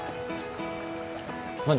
何？